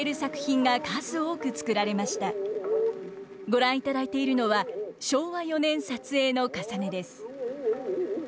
ご覧いただいているのは昭和４年撮影の「かさね」です。